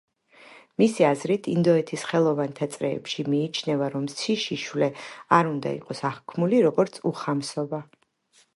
მისი აზრით, ინდოეთის ხელოვანთა წრეებში მიიჩნევა, რომ სიშიშვლე არ უნდა იყოს აღქმული როგორც უხამსობა.